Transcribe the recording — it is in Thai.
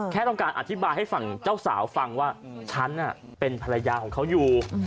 แค่ต้องการอธิบายให้ฝั่งเจ้าสาวฟังว่าฉันเป็นภรรยาของเขาอยู่